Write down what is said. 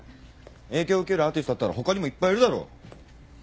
影響受けるアーティストだったら他にもいっぱいいるだろ。